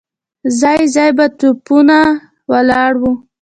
ځای ځای به توپونه ولاړ وو.